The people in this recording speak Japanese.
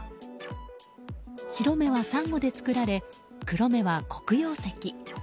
白目はサンゴで作られ黒目は黒曜石。